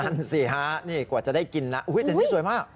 นั่นสิฮะนี่กว่าจะได้กินนะแต่นี่สวยมาก